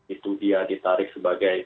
itu dia ditarik sebagai